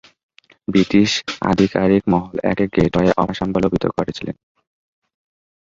British আধিকারিক মহল একে গেটওয়ে অব আসাম বলেও অভিহিত করেছিলেন।